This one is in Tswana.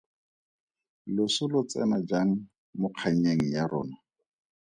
Loso lo tsena jang mo kgannyeng ya rona?